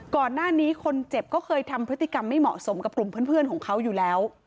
ก่อนหน้านี้คนเจ็บก็เคยทำพฤติกรรมไม่เหมาะสมกับกลุ่มเพื่อนของเขาอยู่แล้ว